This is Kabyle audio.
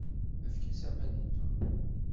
Efk-as aman i Tom.